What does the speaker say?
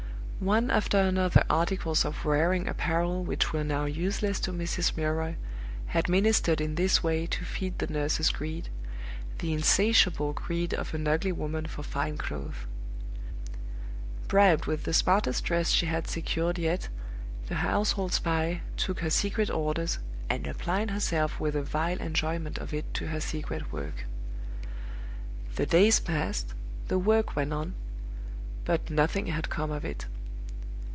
One after another articles of wearing apparel which were now useless to Mrs. Milroy had ministered in this way to feed the nurse's greed the insatiable greed of an ugly woman for fine clothes. Bribed with the smartest dress she had secured yet, the household spy took her secret orders, and applied herself with a vile enjoyment of it to her secret work. The days passed, the work went on; but nothing had come of it.